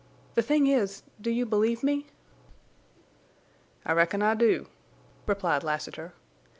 The thing is—do you believe me?" "I reckon I do," replied Lassiter.